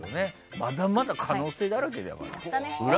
まだまだ可能性だらけだから。